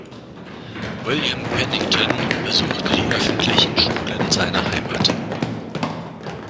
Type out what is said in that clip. William Pennington besuchte die öffentlichen Schulen seiner Heimat.